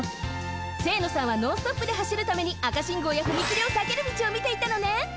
清野さんはノンストップではしるために赤信号や踏切をさける道をみていたのね。